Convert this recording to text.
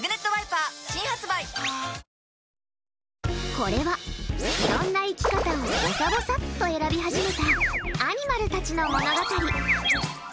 これは、いろんな生き方をぼさぼさっと選び始めたアニマルたちの物語。